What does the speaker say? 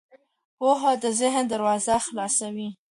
پوهه د ذهن دروازې خلاصوي.